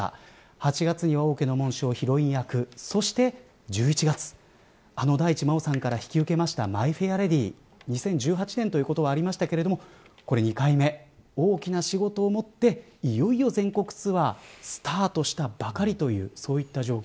８月に王家の紋章ヒロイン役そして、１１月あの大地真央さんから引き受けたマイ・フェア・レディ２０１８年ということはありましたけどこれ２回目、大きな仕事を持っていよいよ全国ツアースタートしたばかりというそういった状況。